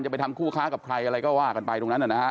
ไปทำคู่ค้ากับใครอะไรก็ว่ากันไปตรงนั้นนะฮะ